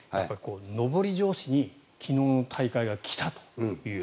上り調子に昨日の大会が来たと。